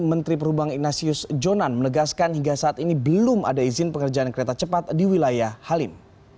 menteri perubang ignatius jonan menegaskan hingga saat ini belum ada izin pekerjaan kereta cepat di wilayah halim